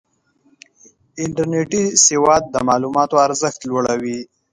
انټرنېټي سواد د معلوماتو ارزښت لوړوي.